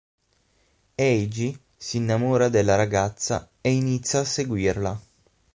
Eiji si innamora della ragazza e inizia a seguirla.